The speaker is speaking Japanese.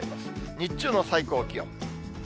日中の最高気温。